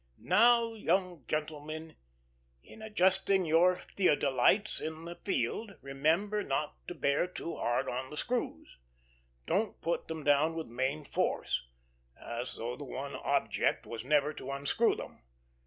"Now, young gentlemen, in adjusting your theodolites in the field, remember not to bear too hard on the screws. Don't put them down with main force, as though the one object was never to unscrew them.